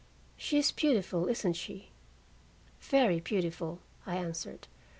"She is beautiful, isn't she?" "Very beautiful," I answered.